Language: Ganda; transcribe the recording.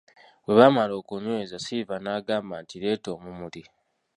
Bwe baamala okunnyweza Silver n'agamba nti leeta omumuli.